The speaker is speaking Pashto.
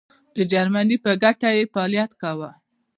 د جرمني په ګټه یې فعالیت کاوه.